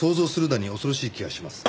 だに恐ろしい気がします。